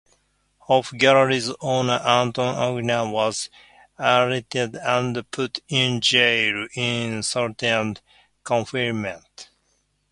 Hofgalerie's owner Anton Achermann was arrested and put in jail - in solitary confinement.